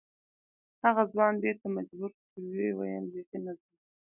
هغه ځوان دې ته مجبور شو چې ویې ویل بې خي نه ځم.